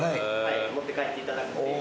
持って帰っていただくっていう。